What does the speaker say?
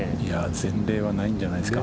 前例はないんじゃないですか。